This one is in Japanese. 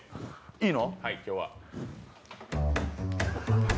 いいの？